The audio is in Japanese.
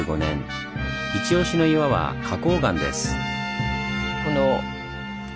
イチオシの岩は花こう岩です。